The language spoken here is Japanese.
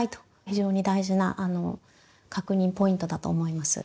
非常に大事な確認ポイントだと思います。